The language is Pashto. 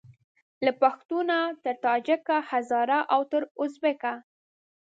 له پښتونه تر تاجیکه هزاره او تر اوزبیکه